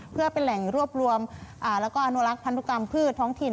เพื่อเป็นแหล่งรวบรวมแล้วก็อนุรักษ์พันธุกรรมพืชท้องถิ่น